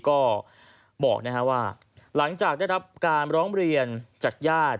ก็บอกว่าหลังจากได้รับการร้องเรียนจากญาติ